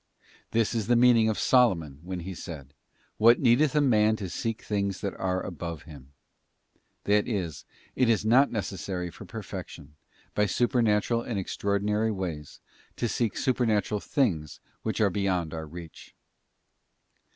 This is the meaning of Solomon when he said, ' What needeth a man to seek things that are above him ?'* That is, it is not necessary. for Perfection, by supernatural and extraordinary ways, to seek supernatural things which are beyond our reach.